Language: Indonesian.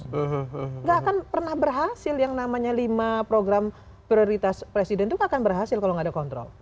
tidak akan pernah berhasil yang namanya lima program prioritas presiden itu gak akan berhasil kalau nggak ada kontrol